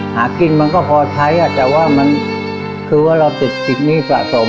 หากินมันก็พอใช้แต่ว่ามันคือว่าเราติดหนี้สะสม